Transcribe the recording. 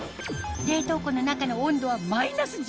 冷凍庫の中の温度は−１４．２℃